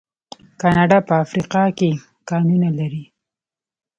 کاناډا په افریقا کې کانونه لري.